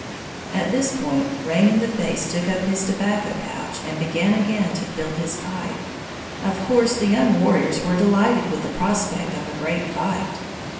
At this point Rain in the Face took up his tobacco pouch and began again to fill his pipe. "Of course the younger warriors were delighted with the prospect of a great fight!